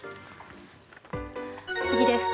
次です。